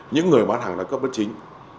những người bán hàng đa cấp bất chính